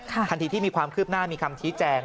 ทันทีที่มีความคืบหน้ามีคำชี้แจง